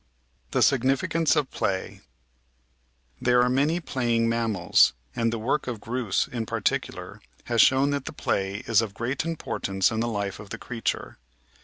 The Significance of Play There are many playing manunals, and the work of Groos in particular has shown that the play is of great importance in the life of the creature.